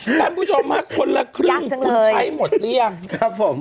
อีบ้าดับผู้ชมมาคนละครึ่งคุณใช้หมดเรียงครับผม